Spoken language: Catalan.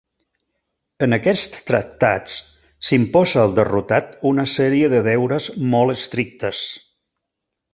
En aquests tractats s'imposa al derrotat una sèrie de deures molt estrictes.